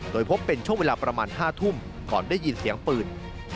โดยพบเป็นช่วงเวลาประมาณ๕ทุ่มก่อนได้ยินเสียงปืน